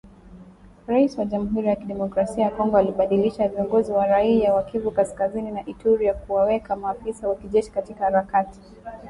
Rais wa Jamhuri ya Kidemokrasia ya Kongo alibadilisha viongozi wa kiraia wa Kivu Kaskazini na Ituri na kuwaweka maafisa wa kijeshi katika harakati